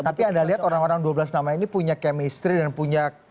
tapi anda lihat orang orang dua belas nama ini punya chemistry dan punya